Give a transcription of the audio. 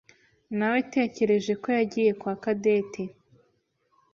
Nawetekereje ko yagiye kwa Cadette.